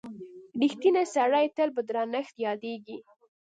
• رښتینی سړی تل په درنښت یادیږي.